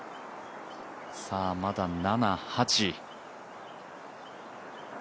まだ７、８。